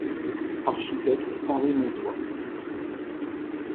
Architecte Henri Montois.